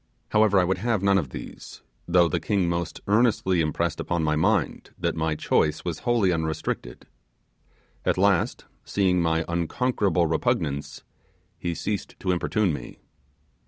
However, I would have none of these, though the king most earnestly impressed upon my mind that my choice was wholly unrestricted. At last, seeing my unconquerable repugnance, he ceased to importune me.